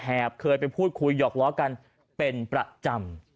เคยไปพูดคุยหยอกล้อกันเป็นประจำ